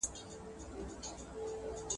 نارینه د «خپل هوس»